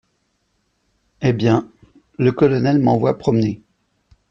Eh bien, le colonel m’envoie promener…